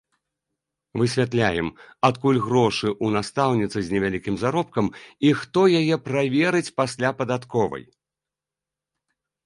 Высвятляем, адкуль грошы ў настаўніцы з невялікім заробкам і хто яе праверыць пасля падатковай.